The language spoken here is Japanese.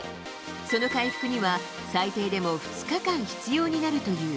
その回復には、最低でも２日間必要になるという。